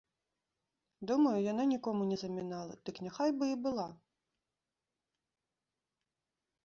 Думаю, яна нікому не замінала, дык няхай бы і была!